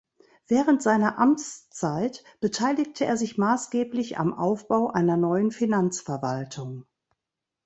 Während seiner Amtszeit beteiligte er sich maßgeblich am Aufbau einer neuen Finanzverwaltung.